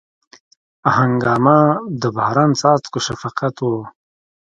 هنګامه د باران څاڅکو شفقت و